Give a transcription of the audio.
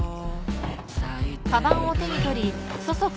はい。